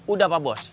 udah pak bos